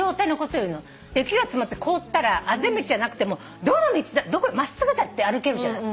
雪が積もって凍ったらあぜ道じゃなくても真っすぐだって歩けるじゃない。